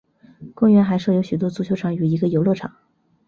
公园还设有许多足球场与一个游乐场。